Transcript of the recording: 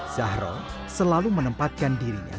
zahro selalu menempatkan dirinya